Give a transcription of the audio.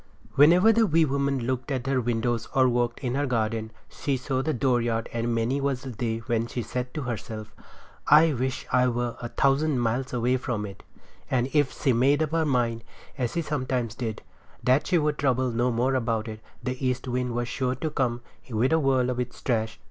Whenever the wee woman looked from her windows or walked in her garden she saw the dooryard and many was the day when she said to herself: "I wish I were a thousand miles away from it;" and if she made up her mind, as sometimes she did, that she would trouble no more about it, the east wind was sure to come with a whirl of its trash.